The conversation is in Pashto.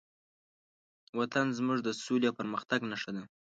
وطن زموږ د سولې او پرمختګ نښه ده.